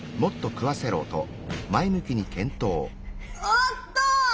おっと！